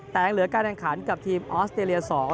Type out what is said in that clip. แต่ยังเหลือการแข่งขันกับทีมออสเตรเลีย๒